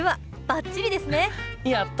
やった！